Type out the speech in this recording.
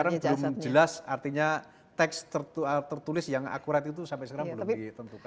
karena belum jelas artinya teks tertulis yang akurat itu sampai sekarang belum ditentukan